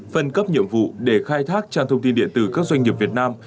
phân cấp nhiệm vụ để khai thác trang thông tin điện tử các doanh nghiệp việt nam